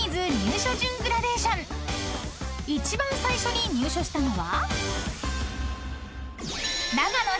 ［一番最初に入所したのは］